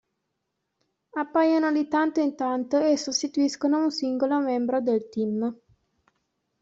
Appaiono di tanto in tanto e sostituiscono un singolo membro del Team.